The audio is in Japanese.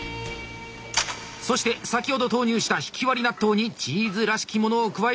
そして先ほど投入したひきわり納豆にチーズらしきものを加えている！